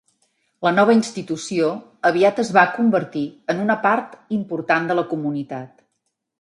La nova institució aviat es va convertir en una part important de la comunitat.